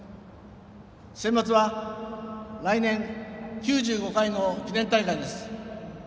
センバツは来年９５回の記念大会です。